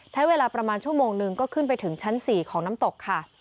ใช้เวลาประมาณชั่วโมงนึงก็ขึ้นไปถึงชั้น๔ของน้ำตกค่ะ